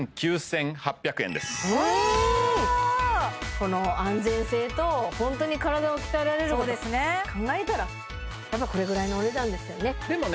この安全性とホントに体を鍛えられることを考えたらこれぐらいのお値段ですよねでもね